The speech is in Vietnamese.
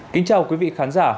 kính chào quý vị khán giả